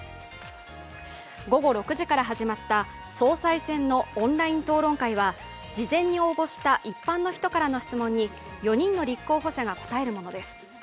午後６時から始まった総裁選のオンライン討論会は事前に応募した一般の人からの質問に４人の立候補者が答えるものです。